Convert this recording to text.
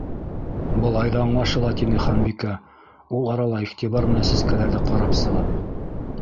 —Былай ҙа аңлашыла! —тине Ханбикә, ул арала иғтибар менән сәскәләрҙе ҡарап сығып.